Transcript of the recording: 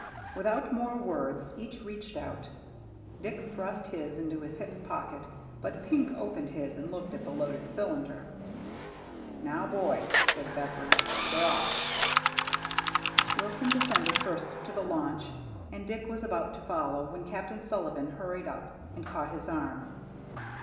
Without more words each reached out. Dick thrust his into his hip pocket; but Pink opened his and looked at the loaded cylinder. " Now, boys," said Beveridge, " we're off." Wilson descended first to the launch, and Dick was about to follow when Captain Sulli van hurried up and caught his arm.